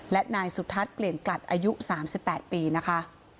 และนายสุทัศน์เปลี่ยนกลัดอายุ๓๘ปีนะคะ